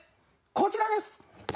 こちらです。